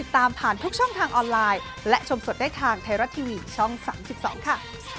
ตามผ่านทุกช่องทางออนไลน์และชมสดได้ทางไทยรัฐทีวีช่อง๓๒ค่ะ